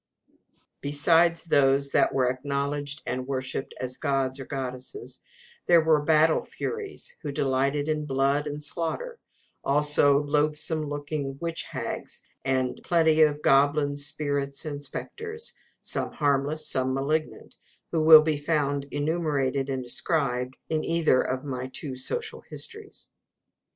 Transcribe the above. Besides those that were acknowledged and worshipped as gods or goddesses, there were battle furies who delighted in blood and slaughter; also loathsome looking witch hags, and plenty of goblins, sprites, and spectres some harmless, some malignant who will be found enumerated and described in either of my two Social Histories.